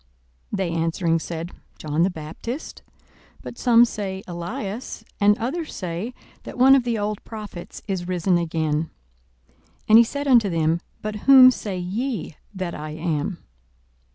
42:009:019 They answering said, John the Baptist; but some say, Elias; and others say, that one of the old prophets is risen again. 42:009:020 He said unto them, But whom say ye that I am?